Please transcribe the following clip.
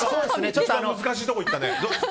ちょっと難しいところいったね。